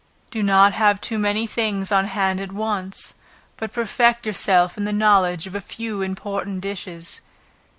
Do not have too many things on hand at once; but perfect yourself in the knowledge of a few important dishes.